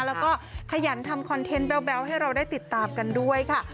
แล้วก็ขยันทำคอนเทนต์แบ๊วให้เราได้ติดตามกันด้วยค่ะ